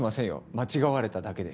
間違われただけで。